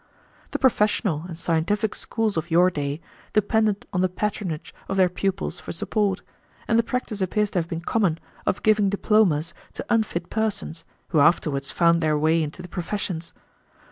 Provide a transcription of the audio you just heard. The professional and scientific schools of your day depended on the patronage of their pupils for support, and the practice appears to have been common of giving diplomas to unfit persons, who afterwards found their way into the professions.